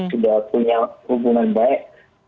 sudah punya hubungan baik